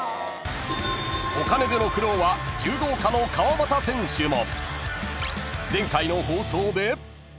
［お金での苦労は柔道家の川端選手も］